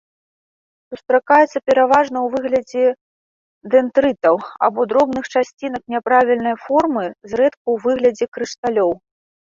Сустракаецца пераважна ў выглядзе дэндрытаў або дробных часцінак няправільнай формы, зрэдку ў выглядзе крышталёў.